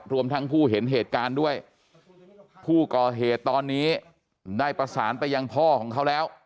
รวมทั้งผู้เห็นเหตุการณ์ด้วยผู้ก่อเหตุตอนนี้ได้ประสานไปยังพ่อของเขาแล้ว